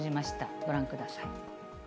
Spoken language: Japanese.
ご覧ください。